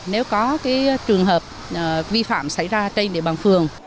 nếu có trường hợp vi phạm xảy ra trên địa bàn phường